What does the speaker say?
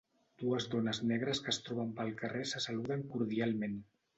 Dues dones negres que es troben pel carrer se saluden cordialment.